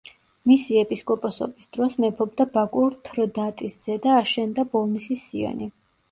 მისი ეპისკოპოსობის დროს მეფობდა ბაკურ თრდატის ძე და აშენდა ბოლნისის სიონი.